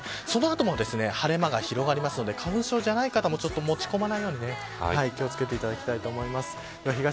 その後も晴れ間が広がりますので花粉症じゃない方も持ち込まないように気を付けていただきたいと思います。